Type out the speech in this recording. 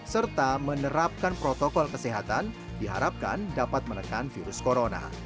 serta menerapkan protokol kesehatan diharapkan dapat menekan virus corona